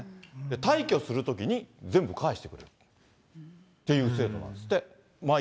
退去するときに、全部返してくれるっていう制度なんですって。